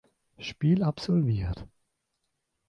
Spiel absolviert.